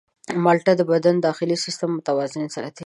مالټه د بدن داخلي سیستم متوازن ساتي.